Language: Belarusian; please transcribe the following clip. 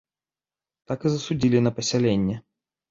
Так і засудзілі на пасяленне.